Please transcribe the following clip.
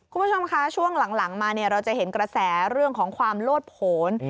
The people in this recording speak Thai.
คุณผู้ชมคะช่วงหลังมาเราจะเห็นกระแสเรื่องของความโลดผล